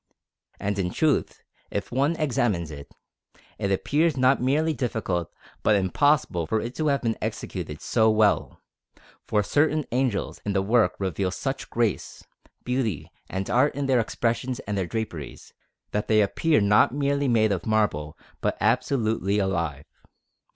And in truth, if one examines it, it appears not merely difficult but impossible for it to have been executed so well; for certain angels in the work reveal such grace, beauty, and art in their expressions and their draperies, that they appear not merely made of marble but absolutely alive.